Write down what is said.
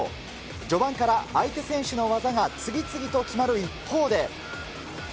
序盤から相手選手の技が次々と決まる一方で。